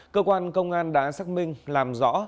cơ quan công an đã xác minh làm rõ